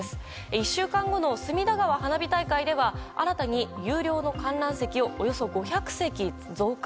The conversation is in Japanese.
１週間後の隅田川花火大会では新たに有料の観覧席をおよそ５００席増加。